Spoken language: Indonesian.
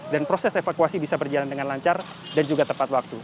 dan proses evakuasi bisa berjalan dengan lancar dan juga tepat waktu